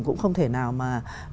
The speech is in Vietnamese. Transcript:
cũng không thể nào mà